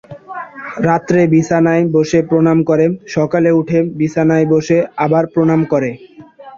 রাত্রে বিছানায় বসে প্রণাম করে, সকালে উঠে বিছানায় বসে আবার প্রণাম করে।